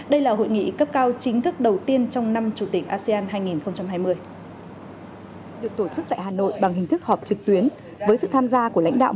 đây là hội nghị cấp cao chính thức đầu tiên trong năm chủ tịch asean hai nghìn hai mươi